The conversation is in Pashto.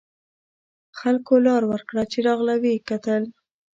خلکو لار ورکړه چې راغله و یې کتل.